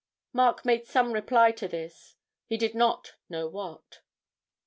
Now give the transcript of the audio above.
Mark made some reply to this; he did not know what.